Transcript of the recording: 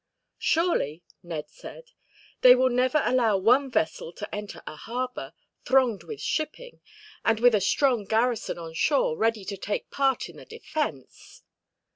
"Surely," Ned said, "they will never allow one vessel to enter a harbor, thronged with shipping, and with a strong garrison on shore ready to take part in the defense!"